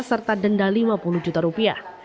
serta denda lima puluh juta rupiah